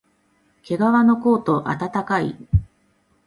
けがわのコート、あたたかい